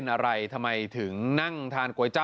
ว่าอะไรเกิดขึ้นตรงแกดีกว่า